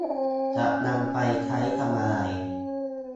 จะนำไปใช้ทำอะไร